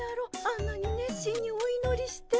あんなに熱心においのりして。